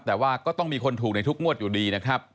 แต่ว่าก็ต้องมีคนถูกในทุกงวดอยู่ดีนะครับ